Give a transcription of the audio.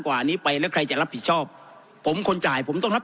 กว่านี้ไปแล้วใครจะรับผิดชอบผมคนจ่ายผมต้องรับ